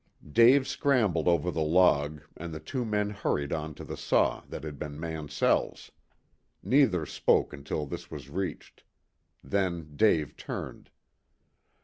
Dave scrambled over the log and the two men hurried on to the saw that had been Mansell's. Neither spoke until this was reached. Then Dave turned.